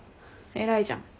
偉いじゃん。